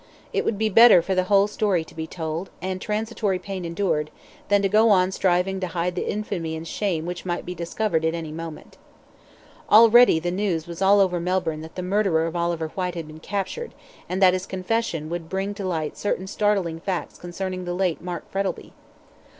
It would be better for the whole story to be told, and transitory pain endured, than to go on striving to hide the infamy and shame which might be discovered at any moment. Already the news was all over Melbourne that the murderer of Oliver Whyte had been captured, and that his confession would bring to light certain startling facts concerning the late Mark Frettlby.